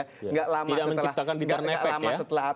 tidak lama setelah